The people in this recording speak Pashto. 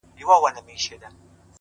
• په دامنځ کي پیل هم لرو بر ځغستله,